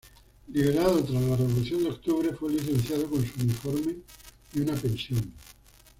Liberado tras la Revolución de Octubre, fue licenciado con su uniforme y una pensión.